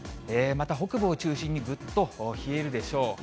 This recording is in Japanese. また北部を中心に、ぐっと冷えるでしょう。